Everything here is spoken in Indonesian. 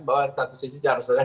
bahwa satu sisi harus tegas